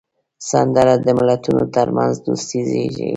سندره د ملتونو ترمنځ دوستي زیږوي